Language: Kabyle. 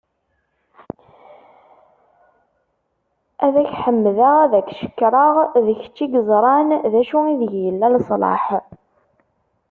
Ad ak-ḥemmdeγ ad ak-cekkreγ d kečč i yeẓran d acu ideg yella leṣlaḥ.